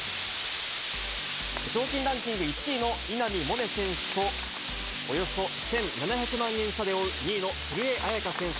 賞金ランキング１位の稲見萌寧選手と、およそ１７００万円差で追う２位の古江彩佳選手。